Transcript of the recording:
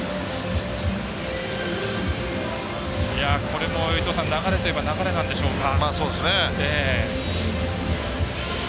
これも、流れといえば流れなんでしょうか。